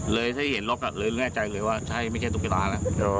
เลยถ้าเห็นล็อกเลยแน่ใจเลยว่าใช่ไม่ใช่ตุ๊กตาแล้ว